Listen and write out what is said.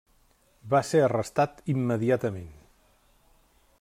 Va ser arrestat immediatament.